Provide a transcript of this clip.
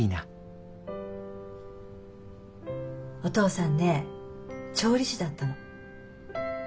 お父さんね調理師だったの。